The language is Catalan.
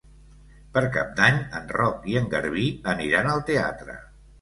Per Cap d'Any en Roc i en Garbí aniran al teatre.